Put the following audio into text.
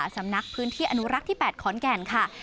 สำนักพื้นที่อนุรักษ์ที่๘ขอนแก่นค่ะ